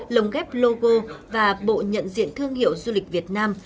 lồng ghép logo và bộ nhận diện thương hiệu du lịch việt nam